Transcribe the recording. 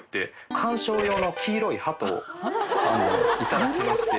観賞用の黄色いハトを頂きまして。